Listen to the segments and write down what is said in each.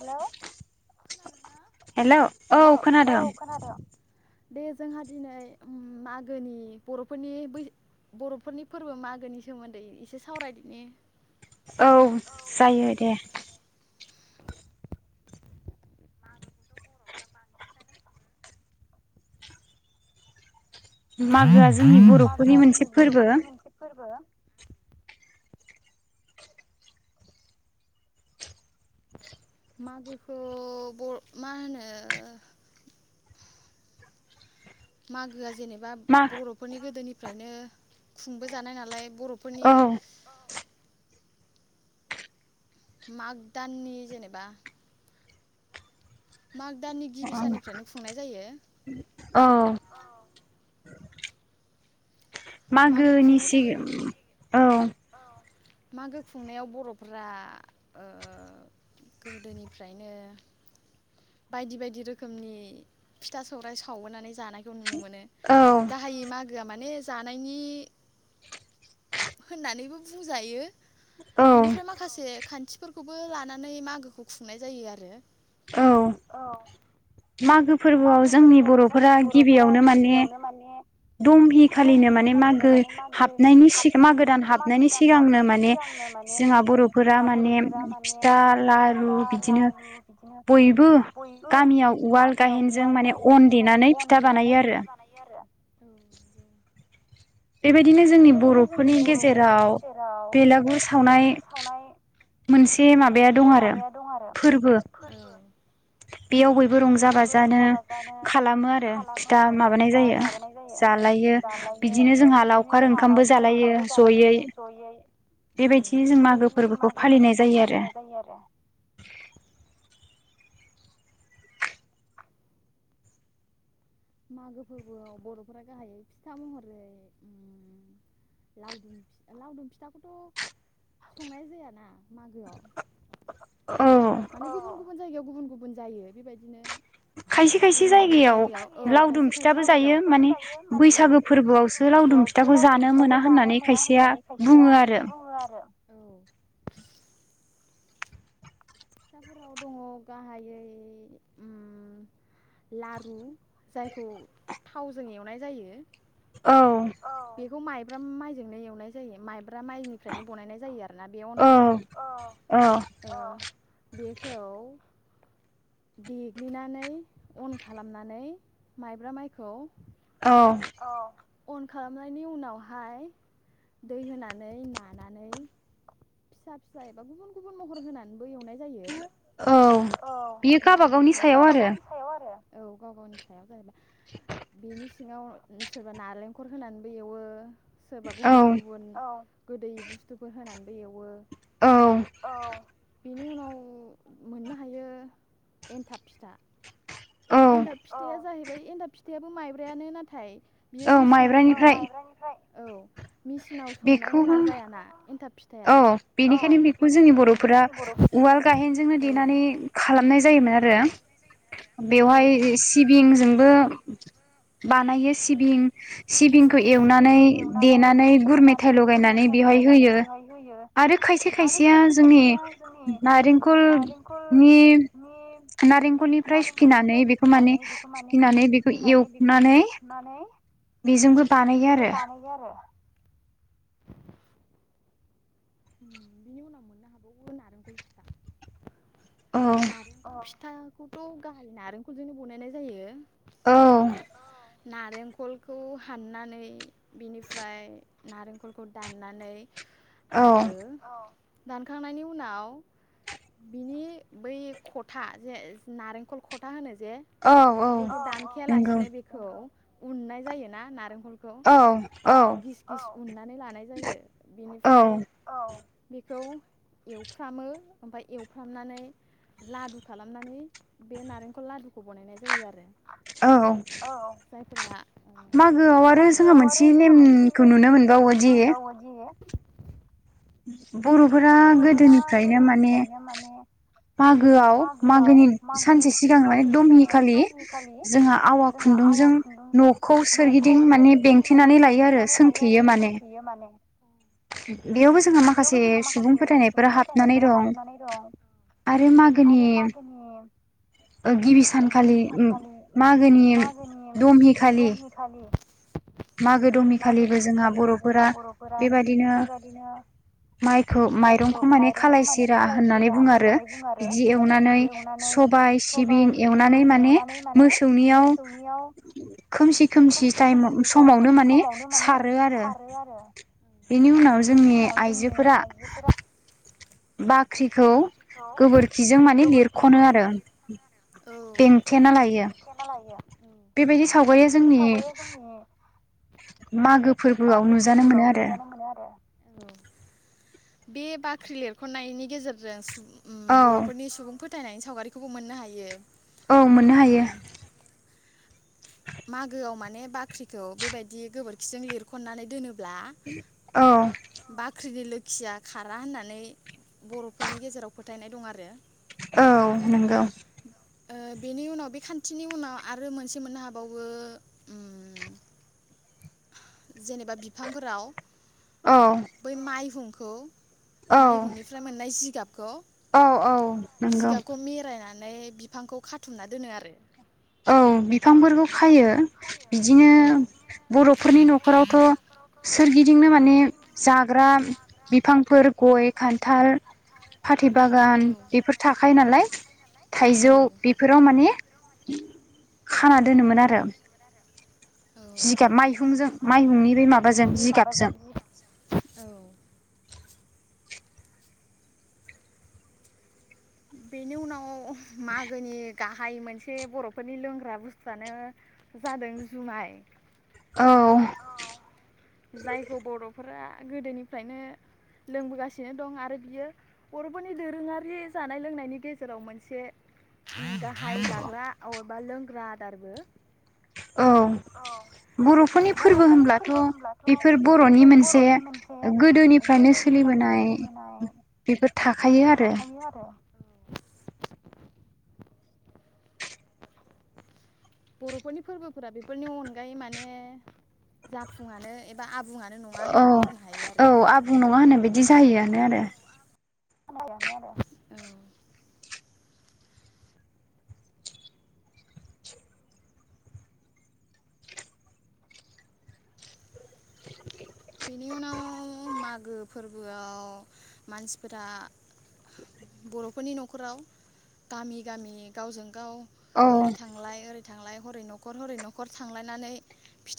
Hello hello औ खोनादों। दे जोंहा दिनै मागोनि बर'फोरनि बै बर'फोरनि फोरबो मागोनि सोमोन्दै एसे सावरायदिनि। औ जायो दे। मागोआ जोंनि बर'फोरनि मोनसे फोरबो। मागोखौ बर' मा होनो मागोआ जेनेब बा बर'फोरनि गोदोनि फ्रायनो खुंबो जानाय नालाय बर'फोरनि औ माग दाननि जेनेबा माग दाननि गिबि साननिफ्रायनो खुंनाय जायो। औ मागोनि सिगां औ मागो खुंनायाव बर'फोरा ओ गोदोनिफ्रायनो बायदि बायदि रोखोमनि फिथा सौरायाइ सावबोनानै जानायखौ नुनो मोनो गाहायै मागोआ माने जानायनि होननानैबो बुंजायो बेनिफ्राय माखासे खान्थिफोरखौबो लानानै मागोखौ खुंनाय जायो आरो औ मागो फोरबोआव जोंनि बर'फोरा गिबियावनो माने दमहि खालिनो माने मागो हाबनायनि सि दान हाबनायनि सिगांनो माने जोंहा बर'फोरा माने फिथा लारु बिदिनो बयबो गामियाव उवाल गाहेनजों माने अन देनानै फिथा बानायो आरो। बेबायदिनो जोंनि बर'फोरनि गेजेराव बेलागुर सावनाय मोनसे माबाया दं आरो फोरबो बेयाव बयबो रंजा बाजानो खालामो आरो फिथा माबानाय जायो जालायो बिदिनो जोंहा बिदिनो जोंहा लावखार ओंखामबो जालायो जयै बेबायदिनो जों मागो फोरबोखौ फालिनाय जायो आरो। मागो फोरबोआव बर'फोरा गाहायै फिथा महरै उम लावदुम लावदुम फिथाखौथ' संनाय जायाना मागोआव माने गुबुन गुबुन जायगायाव गुबुन गुबुन जायो बेबायदिनो खायसे खायसे जायगायाव औ, खायसे खायसे औ। औ। फिथाफोराव दङ गाहायै उम लारु जायखौ थावजों एवनाय जायो। बेखौ माइब्रा माइजोंनो एवनाय जायो माइब्रा माइनिफ्रायनो बनायनाय जायो ना बे अनखौ? ओ बेखौ देग्लिनानै अन खालामनानै माइब्रा माइखौ अ। अन खालामनायनि उनावहाय दै होनानै नानानै फिसा फिसा एबा गुबुन गुबुन महर होनानैबो एवनाय जा जायो औ लारु बे औ गाव गावनि सायाव जाहैबाय। बेनि सिङाव सोरबा नारेंखलर होनानैबो एवो सोरबा गुबुन गुबुन गोदै बुस्थुफोर होनानै औ। बेनि उनाव उम मोननो हायो एन्थाब फिथा। एनथाब फिथाया जाहै बाय एन्थाब फिथायाबो माइब्रायानो नाथाय बियो मेचिनाव सौनाय। मिसिनाव सौनाय अना जायाना एन्थाब औ बेनिखायनो बेखौ जोंनि बर'फोरा उवाल गाहेनजोंनो देनानै खालामनाय जायोमोन आ रो। बेवहाय सिबिंजोंबो बानायो सिबिं सिबिंखौ एवनानै देनानै गुर मेथाइ लगायनानै बेवहाय होयो। आरो खायसे खायसेया जोंनि नारेंखलनि नारेंखलनिफ्राय सुखिनानै बेखौ माने सुखिनानै बेखौ एवनानै बिजोंबो [unintelligible] [inaudible] उम बिनि उनाव मोननो हाबावो नारेंखल फिथा नारें अ फिथाखौथ' गाहाय नारेंखलजोंनो बनायनाय जायो। औ नारेंखलखौ हाननानै बिनिफ्राय नारेंखलखौ दाननानै आरो दानखांनायनि उनाव बिनि बै खथा जे नारेंखल खथा होनो जे जे बेखौ दानखयालासिनो बेखौ उननाय जायो ना नारें लखौ गिस गिस उन्नानै लानाय जायो बिनिफ्राय बिखौ एवफ्रामो ओमफ्रामो एवफ्रामनानै लादु खालामनानै बे नारेंखल लादुखौ बानायनाय जायो आरो औ [unintelligible] मागोआव आरो जोंहा मोनसे नेमखौ नुनो मोनबावो जे [inaudible] बर'फोरा गोदोनिफ्रायनो माने मागोआव मागोनि सानसे सिगां माने दमाहि खालि जोंहा आवा खुन्दुंजों न'खौ सोरगिदिं माने बेंथेनानै लायो आरो सोंथेयो माने [inaudible] बेयावबो जोंहा माखासे जोंहा माखासे सुबुं फोथायनायफोरा हाबनानै दं आरो मागोनि गिबि सानखालि मागोनि दमाहि खालि मागो दमिखालिबो जोंहा बर'फोरा बेबायदिनो माइ खौ माइरंखौ माने खालाय सिरा होननानै बुङो आरो बिदि एवनानै सबाइ सिबिं एवनानै माने मोसौनियाव खोमसि खोमसि टाइम समावनो माने सारो आरो बेनि उनाव जोंनि आइजोफोरा जोफोरा बा ख्रिखौ गोबोरखिजों माने लिरख'नो आरो बेंथेना लायो बेबायदि सावगारिया जोंनि मागो फोरबोआव नुजानो मोनो आरो औ बे बाख्रि लिरख'नायनि गेजेरजों रेन्स ओम बर'फोरनि सुबुंफोर फोथायनायनि सावगारिखौबो मोननो हायो। औ मोननो हायो मागोआव माने बाख्रिखौ बेबायदि गोबोरखिजों लिरख'ननानै दोनो ब्ला बाख्रिनि लोख खिया खारा होननानै बर'फोरनि गेजेराव फोथायनाय दं आरो। ओ बेनि उनाव बे खान्थिनि उनाव आरो मोनसे [unintelligible] मोननो हाबावो ओम जेनेबा बिफांफोराव बै माइहुं खौ माइहुंनिफ्राय मोननाय जिगाब खौ जिगाबखौ मिरायनानै माने बिफांखौ खाथुमना दोनो आरो औ बिफांफोरखौ खायो बिदिनो बर' फोरनि न'खरावथ' सोरगिदिंनो माने जाग्रा [unintelligible] फां बिफांफोर गय खान्थाल फाथै बागान बेफोर थाखायो नालाय थाइजौ बेफोराव माने खाना दोनोमोन आरो जिगाब माइहुंजों माइहुंनि बे माबाजों जिगाबजों बेनि उनाव मागोनि गाहाय मोनसे बर'फोरनि लोंग्रा बुस्थुआनो जादों जुमाय। औ जायखौ बर'फोरा गोदोनिफ्रायनो लोंबोगासिनो दं आरो बियो बर'फोरनि दोरोङारि जानाय लोंनायनि गेजेराव मोनसे [unintelligible] जाग्रा औ बा लोंग्रा आदारबो औ बर'फोरनि फोरबो होमब्लाथ' बेफोर बर'नि मोनसे गोदोनिफ्रायनो सोलिबोनाय बेफोर थाखायो आरो बर'फोरनि फोरबोफोरा बेफोरनि अनगायै माने जाफुङानो एबा आब औ औ आबुं नङा होनो बिदि बिदि जाहैआनो आरो जाहैयानो आरो ओ बेनि उनाव मागो फोरबोआव मानसिफोरा बर'फोरनि न'खराव गामि गामि गावजों गाव ओरै थांलाय ओरै थांलाय हरै नखर हरै नखर थांलायनानै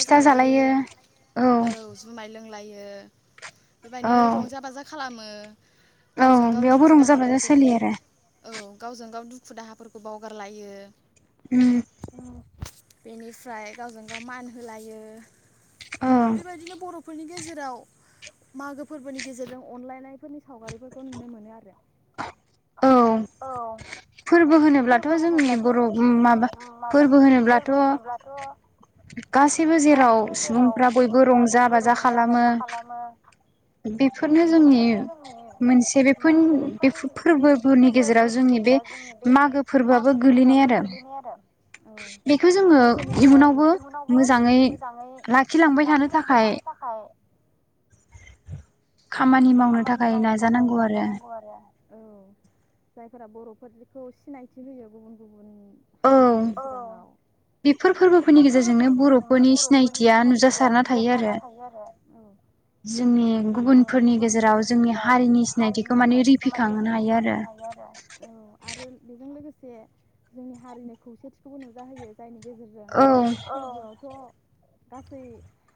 फिथा जालायो औ लोंलायो बेबायनो रंजा बाजा खालाम औ बेयावबो रंजा बाजा सोलियो आरो औ गावजों गाव दुखु दाहाफोरखौ बावगारलायो ओम बेनिफ्राय गावजों गाव मान होलायो बे बादिनो बर फोरनि गेजेराव मागो फोर्बोनि गेजेरजों अनलायनायफोरनि सावगारिफोरखौ नुनो मोनो आरो औ फोर्बो होनोब्लाथ जोंनि बर माबा फोर्बो होनोब्लाथ गासैबो जेराव सुबुंफ्रा बयबो रंजा बाजा खालामो बेफोरनो जोंनि मोनसे बेफोरनो फोर्बोफोरनि गेजेराव जोंनि बे मागो फोर्बोआबो गोलैनाय आरो बेखौ जोङो इयुनावबो मोजाङै लाखिलांबाय थानो थाखाय थाखाय खामानि मावनो थाखाय नाजानांगौ आरो औ जायफोरा बरफोरनिखौ सिनायथि होयो गुबुन गुबुन हारिफोरनि सिगांआव औ बेफोर फोर्बोफोरनि गेजेरजोंनो बरफोरनि सिनायथिया नुजासारना थायो आरो जोंनि उनफोरनि गेजेराव जोंनि हारिनि सिनायथिखौ माने रिफिखांहोनो हायो आरो औ आरो बिदिनो जों लोगोसे जोंनि हारिनि खौसेथिखौबो नुजाहोयो जायनि गेजेरजों औ थ गासै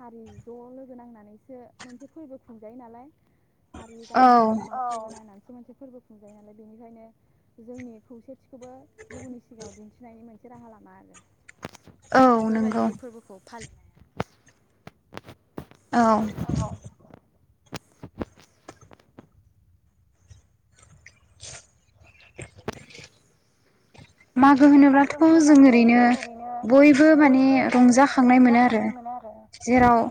हारि जलोगो नांनानैसो मोनसे फोर्बो खुंजायो नालाय हारि गामि समाज नायनानैसो मोनसे फोर्बो खुंजायो नालाय बेनिखायनो जोंनि खौसे थिखोबो गुबुननि सिगाङाव दिन्थिनायनि मोन से राहा लामा आरो बेफोरबायदि फोर्बोखौ फालि औ [inaudible] मागो होनोब्लाथ जों ओरैनो बयबो माने रंजाखांनाय मोनो आरो जेराव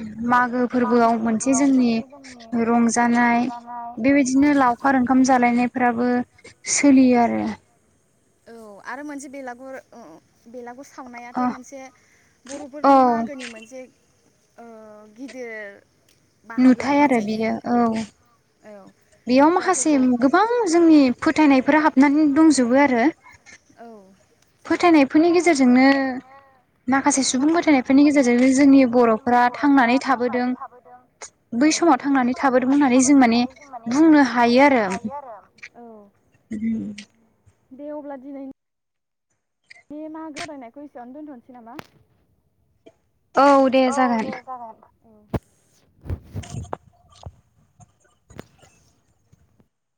उम मागो फोरबोआव मोनसे जोंनि रंजानाय बेबायदिनो लावखार ओंखाम जालायनायफोराबो सोलियो आरो औ आरो मोनसे बेलागुर उ बेलागुर सावनायाथ' मोनसे बर'फोरनि मागोनि मोनसे ओ गिदिर नुथाय आरो बियो औ बेयाव माखासे गोबां जोंनि फोथायनायफोरा हाब नानै दंजोबो आरो औ फोथायनायफोरनि गेजेरजोंनो माखासे सुबुं फोथायनायफोरनि गेजेरजोंनो जोंनि बर'फोरा थांनानै थाबोदों औ बै समाव थांनानै थाबोदोंमोन होननानै जों माने बुंनो हायो आरो औ। उम दे अब्ला दिनैनि बे मा सावरायनायखौ इसेआवनो दोन्थ'नोसै नामा। औ दे जागोन। [inaudible] [inaudible]